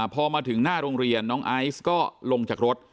พอมาถึงหน้าโรงเรียนน้องไอซ์ก็ลงจากรถ